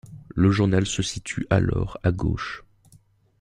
Le journal se situe alors à gauche.